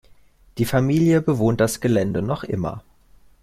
Die Familie bewohnt das Gelände noch immer.